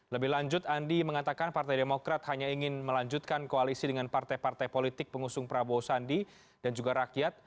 lebih lanjut andi mengatakan partai demokrat hanya ingin melanjutkan koalisi dengan partai partai politik pengusung prabowo sandi dan juga rakyat